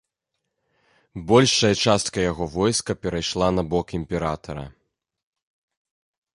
Большая частка яго войска перайшла на бок імператара.